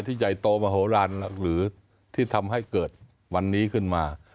ใหญ่โตมโหลานหรือที่ทำให้เกิดวันนี้ขึ้นมา